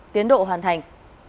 tiến độ hoàn thành